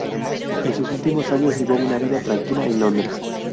En sus últimos años llevó una vida tranquila en Londres.